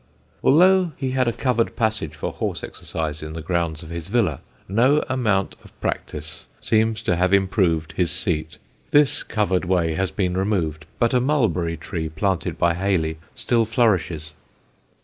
Although he had a covered passage for horse exercise in the grounds of his villa, no amount of practice seems to have improved his seat. This covered way has been removed, but a mulberry tree planted by Hayley still flourishes.